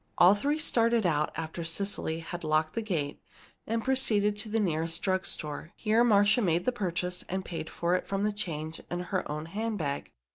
All three started out, after Cecily had locked the gate, and proceeded to the nearest drug store. Here Marcia made the purchase, and paid for it from the change in her own hand bag.